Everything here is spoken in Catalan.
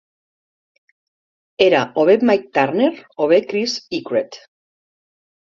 Era o bé Mike Turner o bé Chris Eacrett.